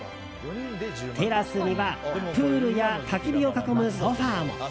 テラスにはプールやたき火を囲むソファも。